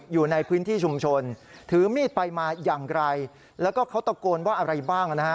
อยู่ในพื้นที่ชุมชนถือมีดไปมาอย่างไรแล้วก็เขาตะโกนว่าอะไรบ้างนะฮะ